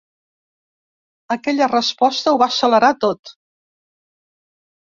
Aquella resposta ho va accelerar tot.